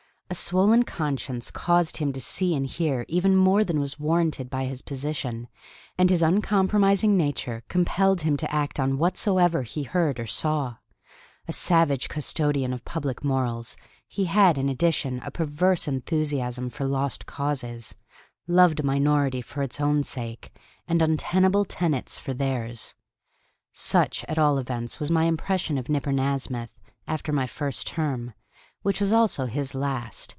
A swollen conscience caused him to see and hear even more than was warranted by his position, and his uncompromising nature compelled him to act on whatsoever he heard or saw: a savage custodian of public morals, he had in addition a perverse enthusiasm for lost causes, loved a minority for its own sake, and untenable tenets for theirs. Such, at all events, was my impression of Nipper Nasmyth, after my first term, which was also his last.